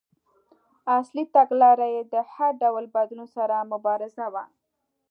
اصلي تګلاره یې د هر ډول بدلون سره مبارزه وه.